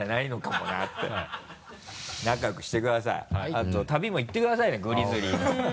あと旅も行ってくださいねグリズリーの。